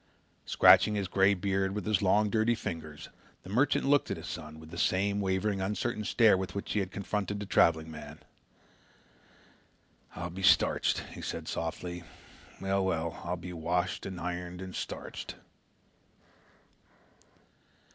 Scratching his grey beard with his long dirty fingers, the merchant looked at his son with the same wavering uncertain stare with which he had confronted the traveling man. "I'll be starched," he said softly. "Well, well, I'll be washed and ironed and starched!"